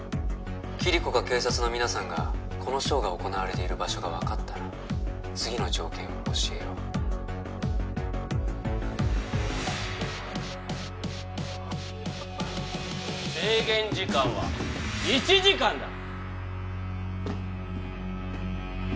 キリコか警察の皆さんがこのショーが行われている場所が分かったら次の条件を教えよう制限時間は１時間だ